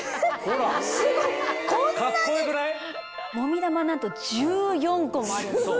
もみ玉なんと１４個もあるんです。